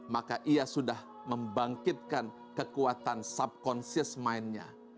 maka ia sudah membangkitkan kekuatan subconsious mind nya